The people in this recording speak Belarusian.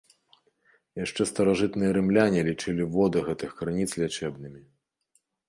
Яшчэ старажытныя рымляне лічылі воды гэтых крыніц лячэбнымі.